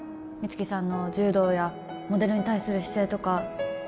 光希さんの柔道やモデルに対する姿勢とか